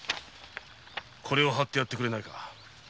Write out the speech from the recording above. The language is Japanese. これを貼ってやってくれないか。